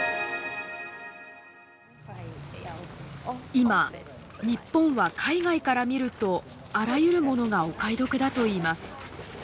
今日本は海外から見るとあらゆるものがお買い得だといいます。